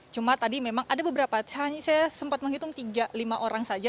cuma tadi memang ada beberapa saya sempat menghitung tiga lima orang saja